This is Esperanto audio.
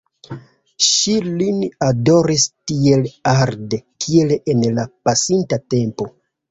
Ŝi lin adoris tiel arde kiel en la pasinta tempo.